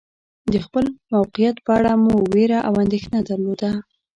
د خپل موقعیت په اړه مو وېره او اندېښنه درلوده.